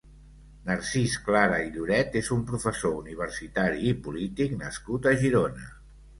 Narcís Clara i Lloret és un professor universitari i polític nascut a Girona.